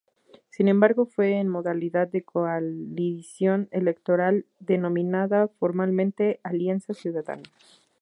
Sin embargo fue en modalidad de coalición electoral, denominada formalmente Alianza Ciudadana".